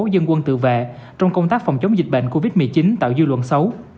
dân quân tự vệ trong công tác phòng chống dịch bệnh covid một mươi chín tạo dư luận xấu